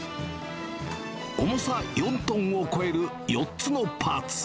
重さ４トンを超える４つのパーツ。